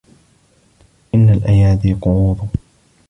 إن الأيادي قروض